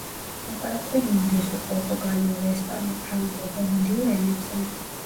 ლაპარაკობენ ინგლისურ, პორტუგალიურ, ესპანურ, ფრანგულ, ჰოლანდიურ ენებზე.